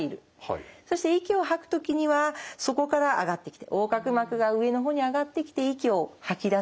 そして息を吐く時にはそこから上がってきて横隔膜が上の方に上がってきて息を吐き出すことができる。